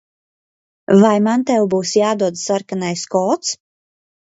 Vai man tev būs jādod sarkanais kods?